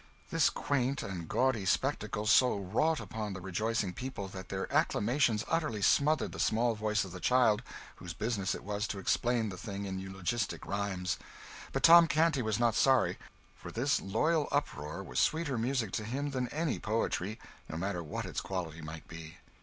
This quaint and gaudy spectacle so wrought upon the rejoicing people, that their acclamations utterly smothered the small voice of the child whose business it was to explain the thing in eulogistic rhymes. But Tom Canty was not sorry; for this loyal uproar was sweeter music to him than any poetry, no matter what its quality might be.